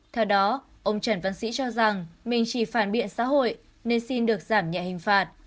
theo đó ông trần văn sĩ cho rằng mình chỉ phản biện xã hội nên xin được giảm nhẹ hình phạt